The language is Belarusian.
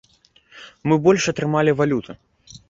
Мы больш атрымалі валюты.